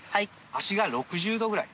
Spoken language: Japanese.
足が６０°ぐらい。